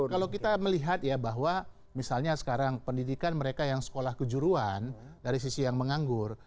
kalau kita melihat ya bahwa misalnya sekarang pendidikan mereka yang sekolah kejuruan dari sisi yang menganggur